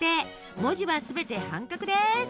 文字は全て半角です。